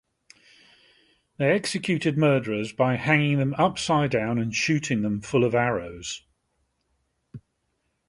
They executed murderers by hanging them upside down and shooting them full of arrows.